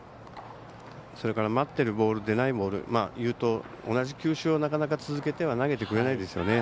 それから待ってるボールで同じ球種はなかなか続けては投げてくれないですよね。